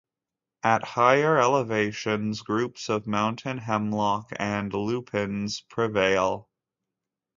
At higher elevations, groups of mountain hemlock and lupines prevail.